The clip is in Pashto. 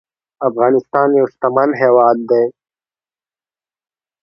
افغانستان يو شتمن هيواد دي